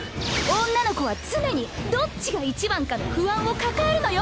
女の子は常にどっちがいちばんかの不安を抱えるのよ！